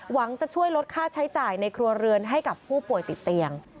หวังจะช่วยลดค่าใช้จ่ายในครัวเรือนให้กับผู้ป่วยติดเตียง